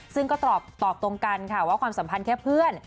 ซึ่งก็ตอบตรงกันค่ะว่าความสัมพันธ์แค่เพื่อน